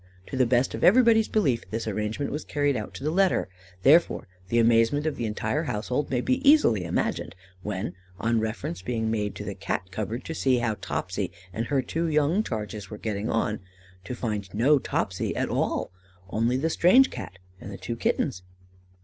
To the best of everybody's belief, this arrangement was carried out to the letter, therefore the amazement of the entire household may be easily imagined when, on reference being made to the Cat cupboard, to see how Topsy and her two young charges were getting on, to find no Topsy at all, only the strange Cat and the two Kittens.